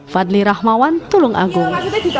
fadli rahmawan tulung agung